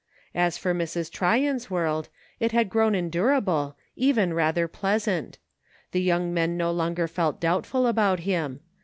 As for Mrs. Tryon's world, it had grown endurable, even rather pleasant. The young men no longer felt doubtful about him.